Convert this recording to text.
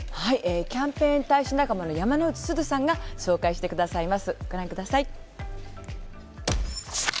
キャンペーン大使仲間の山之内すずさんが紹介してくれます。